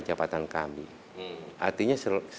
jabatan kami artinya